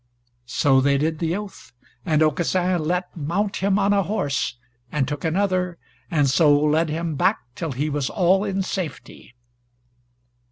So they did the oath, and Aucassin let mount him on a horse, and took another and so led him back till he was all in safety.